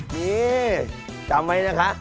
นี่จำไว้นะคะ